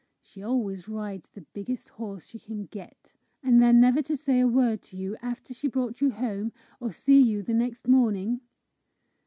She always rides the biggest horse she can get! And then never to say a word to you after she brought you home, or see you the next morning!"